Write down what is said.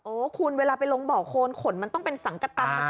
คุณเวลาไปลงบ่อโคนขนมันต้องเป็นสังกตำ